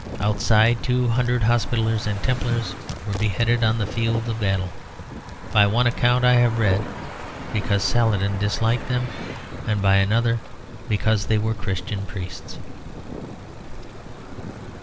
Outside, two hundred Hospitallers and Templars were beheaded on the field of battle; by one account I have read because Saladin disliked them, and by another because they were Christian priests.